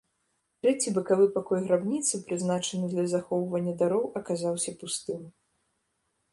Трэці, бакавы пакой грабніцы, прызначаны для захоўвання дароў аказаўся пустым.